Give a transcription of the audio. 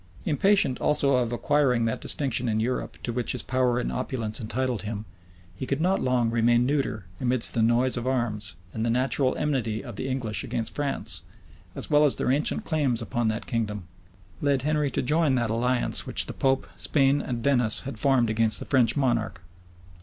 [*] Impatient also of acquiring that distinction in Europe, to which his power and opulence entitled him, he could not long remain neuter amidst the noise of arms; and the natural enmity of the English against France, as well as their ancient claims upon that kingdom, led Henry to join that alliance which the pope, Spain, and Venice had formed against the French monarch.